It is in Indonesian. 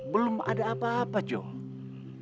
belum ada apa apa john